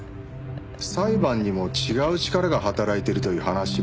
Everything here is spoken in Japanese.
裁判にも違う力が働いてるという話もある。